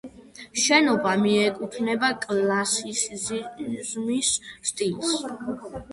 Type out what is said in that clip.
შენობა მიეკუთვნება კლასიციზმის სტილს.